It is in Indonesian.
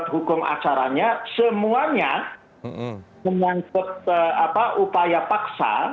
hukum acaranya semuanya menyangkut upaya paksa